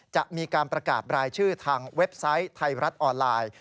จะมีการประกาศรายชื่อทางเว็บไซต์ไทยรัฐออนไลน์